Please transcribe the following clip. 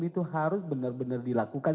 itu harus benar benar dilakukan